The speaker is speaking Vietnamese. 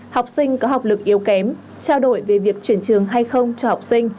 học sinh có học lực yếu kém trao đổi về việc chuyển trường hay không cho học sinh